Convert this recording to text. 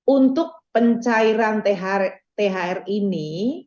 untuk pencairan thr ini